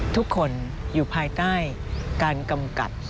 ทุกคนอยู่ภายใต้การกำกับ